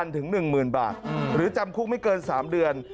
ถึง๑๐๐๐บาทหรือจำคุกไม่เกิน๓เดือน